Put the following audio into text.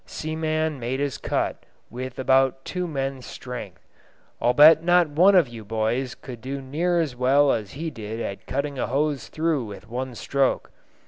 Seaman made his cut with about two men's strength; I'll bet not one of you boys could do near as well as he did at cutting a hose through with one stroke.